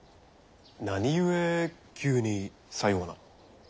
何故急にさような。